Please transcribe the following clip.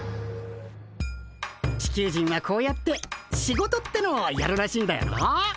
チキュウジンはこうやって「シゴト」ってのをやるらしいんだよな。